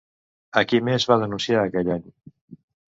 A qui més va denunciar aquell any?